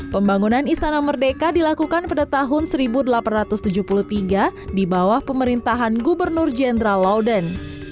pembangunan istana merdeka dilakukan pada tahun seribu delapan ratus tujuh puluh tiga di bawah pemerintahan gubernur jenderal lauden